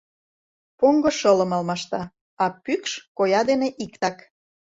Поҥго шылым алмашта, а пӱкш — коя дене иктак.